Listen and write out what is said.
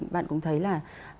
bạn cũng thấy là